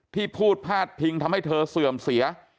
ที่พูดพาดพิงทำให้เธอเสื่อมเสีย